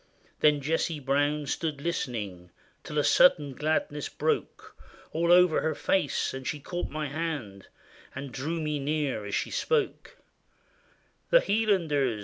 There Jessie Brown stood listening Till a sudden gladness broke All over her face ; and she caught my hand And drew me near as she spoke :—" The Hielanders